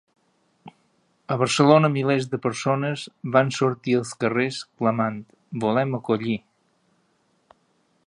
A Barcelona milers de persones van sortir als carrers clamant ‘volem acollir’.